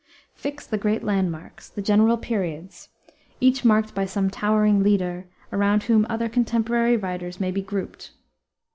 Fix the great landmarks, the general periods each marked by some towering leader, around whom other contemporary writers may be grouped.